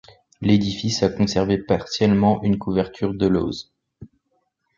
L'édifice a conservé partiellement une couverture de lauzes.